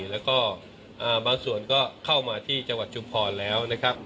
แล้วก็บางส่วนก็เข้ามาที่จังหวัดชุมพรแล้วนะครับ